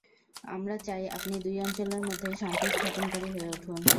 আমরা চাই আপনি দুই অঞ্চলের মধ্যে শান্তি স্থাপনকারী হয়ে উঠুন।